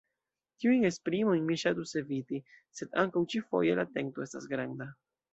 Tiujn esprimojn mi ŝatus eviti, sed ankaŭ ĉi-foje la tento estas granda.